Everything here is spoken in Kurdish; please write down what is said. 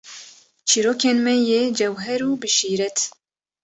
Çîrokên me yê cewher û bi şîret.